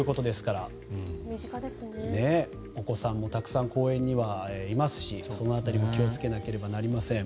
お子さんもたくさん公園にはいますしその辺りも気をつけなければなりません。